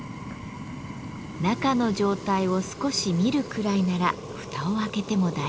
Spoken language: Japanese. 中の状態を少し見るくらいなら蓋を開けても大丈夫。